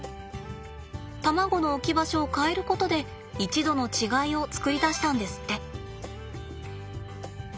卵の置き場所を変えることで１℃の違いを作り出したんですって。